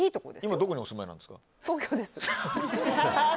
今、どこにお住まいなんですか？